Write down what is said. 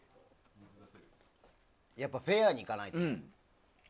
やっぱりフェアにいかないと。